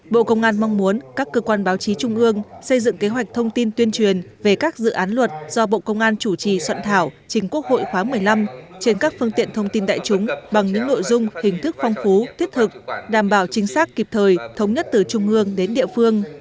bộ công an mong muốn các cơ quan báo chí trung ương xây dựng kế hoạch thông tin tuyên truyền về các dự án luật do bộ công an chủ trì soạn thảo trình quốc hội khóa một mươi năm trên các phương tiện thông tin đại chúng bằng những nội dung hình thức phong phú thiết thực đảm bảo chính xác kịp thời thống nhất từ trung ương đến địa phương